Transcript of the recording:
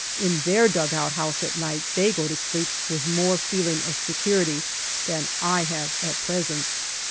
In their dugout house at night they go to sleep with more feeling of security than I have at present.